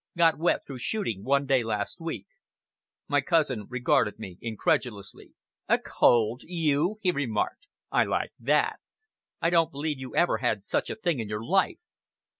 "Got wet through shooting one day last week." My cousin regarded me incredulously. "A cold! You!" he remarked. "I like that! I don't believe you ever had such a thing in your life!"